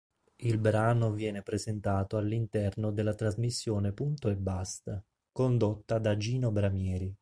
Il brano viene presentato all'interno della trasmissione "Punto e Basta", condotta da Gino Bramieri.